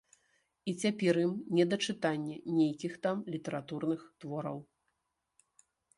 І цяпер ім не да чытання нейкіх там літаратурных твораў.